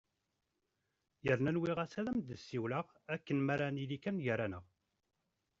Yerna nwiɣ-as ad am-d-siwileɣ akken mi ara nili kan gar-aneɣ!